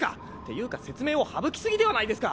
ていうか説明を省き過ぎではないですか！